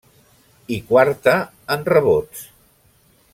I quarta en rebots.